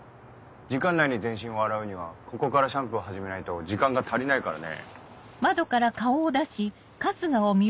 時間内に全身を洗うにはここからシャンプーを始めないと時間が足りないからね。